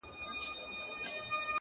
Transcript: قنلدر ته په زاريو غلبلو سو؛